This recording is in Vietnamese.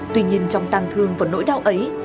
tuy nhiên trong tàn thương và nỗi đau ấy